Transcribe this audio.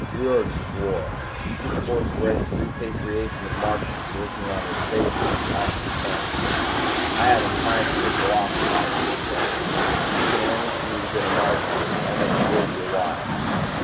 Riordan swore. The forced repatriation of Martians working on his spaceships had cost him plenty. "I haven't time for your philosophizing," he said. "If you can arrange for me to get a Martian, I'll make it worth your while."